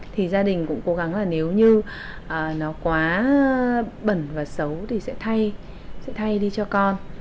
thì gia đình cũng cố gắng là nếu như nó quá bẩn và xấu thì sẽ thay sẽ thay đi cho con